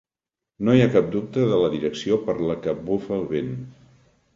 No hi ha cap dubte de la direcció per la que bufa el vent.